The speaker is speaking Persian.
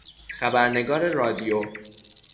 خبرنگار رادیو